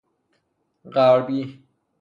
غربی